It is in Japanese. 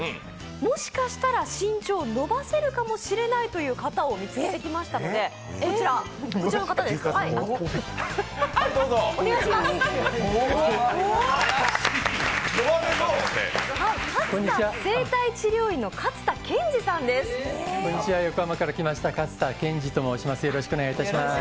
もしかしたら身長を伸ばせるかもしれないという方を見つけてきましたので、こちらの方です、お願いします。